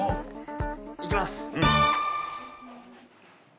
行きます。